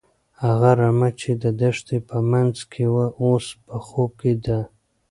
هغه رمه چې د دښتې په منځ کې وه، اوس په خوب کې ده.